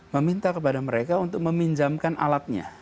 meminta kepada mereka untuk meminjamkan alatnya